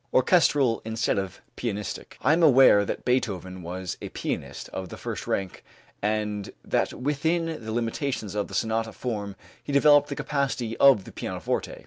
Orchestral Instead of Pianistic. I am aware that Beethoven was a pianist of the first rank and that within the limitations of the sonata form he developed the capacity of the pianoforte.